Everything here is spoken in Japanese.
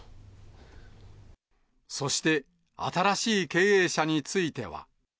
そして、新しい経営者については。